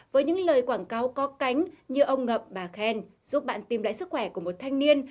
với những lời quảng cáo có cánh như ông ngậm bà khen giúp bạn tìm lại sức khỏe của một thanh niên